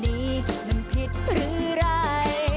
นี่มันผิดหรือไร